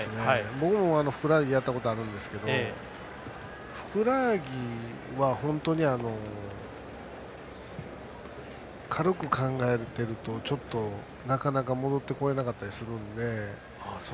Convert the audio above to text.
僕もふくらはぎやったことあるんですけどふくらはぎは本当に軽く考えてるとちょっと、なかなか戻ってこれなかったりするので。